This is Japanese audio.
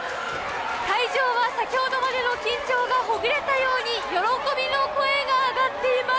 会場は先ほどまでの緊張がほぐれたように喜びの声が上がっています。